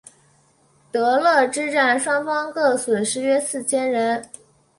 德勒之战双方各损失约四千人。